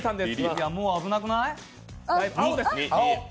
もう危なくない？